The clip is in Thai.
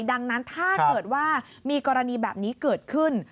ดังนั้นถ้าเกิดว่ามีกรณีแบบนี้เกิดขึ้น